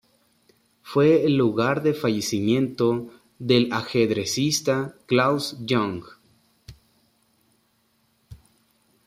Fue el lugar de fallecimiento del ajedrecista Klaus Junge.